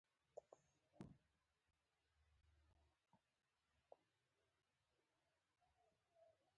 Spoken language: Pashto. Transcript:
هابسبورګیانو خپل استبدادي او مطلقه نظام وساته.